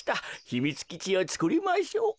ひみつきちをつくりましょう。